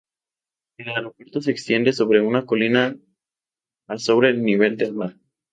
El aeropuerto se extiende sobre una colina a sobre el nivel del mar.